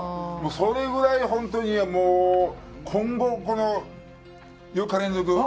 それぐらい本当にもう、今後、４日連続